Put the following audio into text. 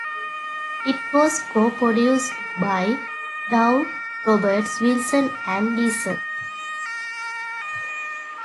It was co-produced by Doug Roberts, Wilson and Diesel.